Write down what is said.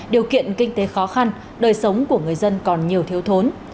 điều kiện kinh tế khó khăn đời sống của người dân còn nhiều thiếu thốn